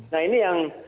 nah ini yang